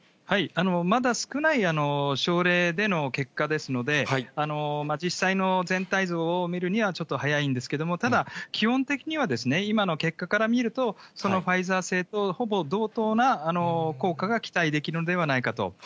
まだ少ない症例での結果ですので、実際の全体像を見るにはちょっと早いんですけれども、ただ、基本的には今の結果から見ると、そのファイザー製とほぼ同等な効果が期待できるのではないかと。